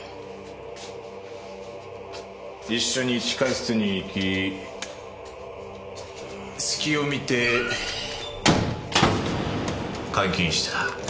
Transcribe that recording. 一緒に地下室に行き隙をみて監禁した。